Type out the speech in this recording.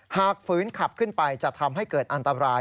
ฝืนขับขึ้นไปจะทำให้เกิดอันตราย